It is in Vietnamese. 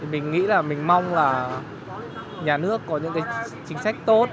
mình nghĩ và mong nhà nước sẽ có những chính sách tốt